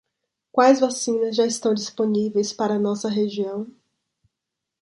Quais vacinas já estão disponíveis para a nossa região?